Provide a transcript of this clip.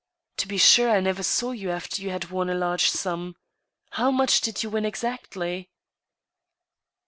... To be sure, I never saw you after you had won a large sum. ... How much did you win exactly?